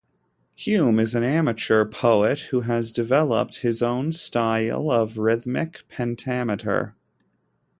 Hume is an amateur poet who has developed his own style of rhythmic pentameter.